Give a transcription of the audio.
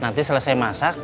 nanti selesai masak